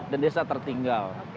dan desa tertinggal